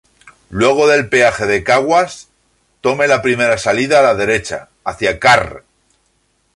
Luego del peaje en Caguas, tome la primera salida a la derecha, hacia Carr.